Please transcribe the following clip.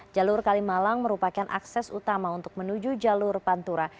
jalur kalimalang merupakan akses utama untuk menuju jalur pantura